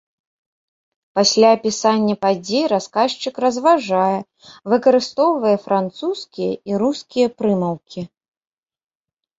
Пасля апісанняў падзей расказчык разважае, выкарыстоўвае французскія і рускія прымаўкі.